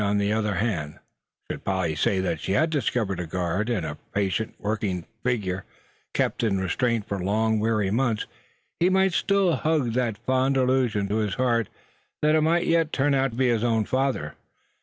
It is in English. On the other hand, should Polly say that she had discovered a guard, and a patient working figure kept in restraint for long, weary months, he might still hug that fond illusion to his heart, that it might yet turn out to be his own father.